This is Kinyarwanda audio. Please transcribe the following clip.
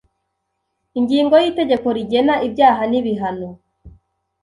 Ingingo y’itegeko rigena ibyaha n’ibihano